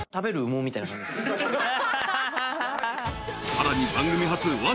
［さらに］